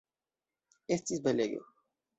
Estis belege.